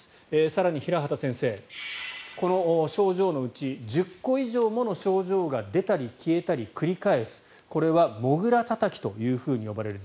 更に平畑先生、この症状のうち１０個以上もの症状が出たり消えたり繰り返すこれはモグラたたきと呼ばれる。